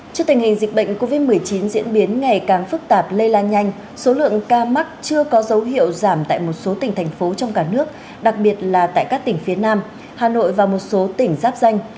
trước tình hình dịch bệnh covid một mươi chín diễn biến ngày càng phức tạp lây lan nhanh số lượng ca mắc chưa có dấu hiệu giảm tại một số tỉnh thành phố trong cả nước đặc biệt là tại các tỉnh phía nam hà nội và một số tỉnh giáp danh